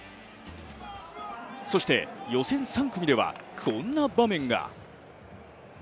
そして、予選３組ではこんな場面が。